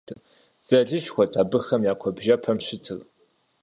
Дзэлышхуэт абыхэ я куэбжэпэм щытыр.